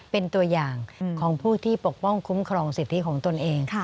เป็นตัวอย่างของผู้ที่ปกป้องคุ้มครองสิทธิของตนเอง